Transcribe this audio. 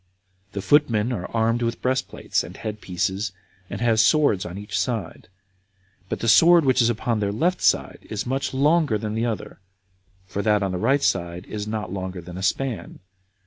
The footmen are armed with breastplates and head pieces, and have swords on each side; but the sword which is upon their left side is much longer than the other, for that on the right side is not longer than a span.